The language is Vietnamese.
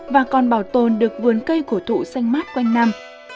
và còn bảo tồn được vườn cây cổ thụ xanh mát quanh năm